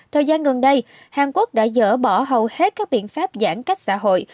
thời gian gần đây hàn quốc đã dỡ bỏ hầu hết các biện pháp giãn cách xã hội